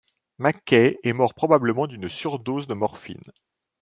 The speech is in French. Mackay est mort probablement d'une surdose de morphine.